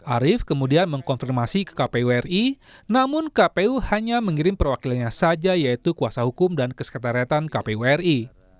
arief kemudian mengkonfirmasi ke kpu ri namun kpu hanya mengirim perwakilannya saja yaitu kuasa hukum dan kesekretaritan kpu ri